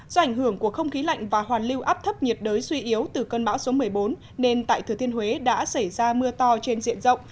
do ảnh hưởng của không khí lạnh và hoàn lưu áp thấp nhiệt đới suy yếu từ cơn bão số một mươi bốn nên tại thừa thiên huế đã xảy ra mưa to trên diện rộng